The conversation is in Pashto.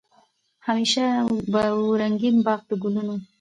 همېشه به وو رنګین باغ د ګلونو